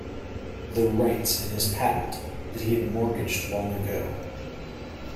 The rights in his patent he had mortgaged long ago.